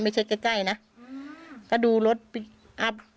ไม่ใช่ใกล้ใกล้นะก็ดูรถพลิกอัพ